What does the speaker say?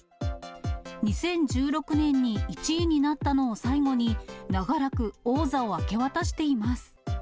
２０１６年に１位になったのを最後に、長らく王座を明け渡しています。